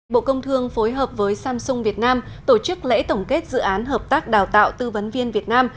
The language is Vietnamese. bộ công thương phối hợp với samsung việt nam tổ chức lễ tổng kết dự án hợp tác đào tạo tư vấn viên việt nam